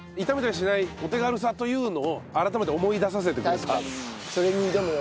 炒めたりしないお手軽さというのを改めて思い出させてくれた。